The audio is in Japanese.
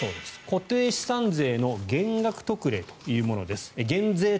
固定資産税の減税特例というものです。